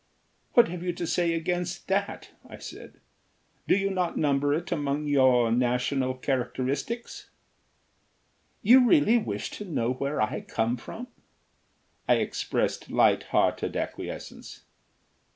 "What have you to say against that?" I said. "Do you not number it among your national characteristics?" "You really wish to know where I come from?" I expressed light hearted acquiescence.